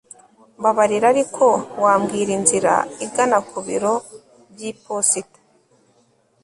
mbabarira, ariko wambwira inzira igana ku biro by'iposita